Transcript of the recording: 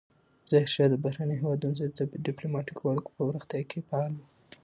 ظاهرشاه د بهرنیو هیوادونو سره د ډیپلوماتیکو اړیکو په پراختیا کې فعال و.